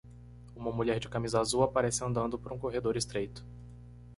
Uma mulher de camisa azul aparece andando por um corredor estreito.